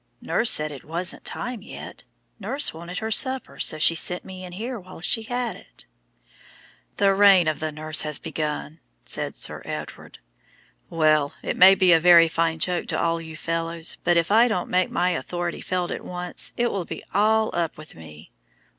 Nurse said it wasn't time yet. Nurse wanted her supper, so she sent me in here while she had it." "The reign of the nurse has begun," said Sir Edward. "Well, it may be a very fine joke to all you fellows, but if I don't make my authority felt at once, it will be all up with me.